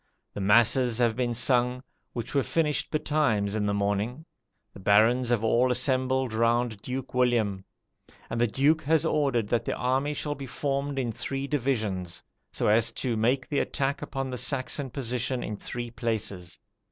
The masses have been sung, which were finished betimes in the morning; the barons have all assembled round Duke William; and the Duke has ordered that the army shall be formed in three divisions, so as to make the attack upon the Saxon position in three places.